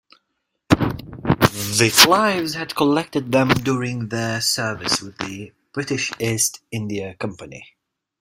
The Clives had collected them during their service with the British East India Company.